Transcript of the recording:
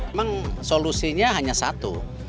memang solusinya hanya satu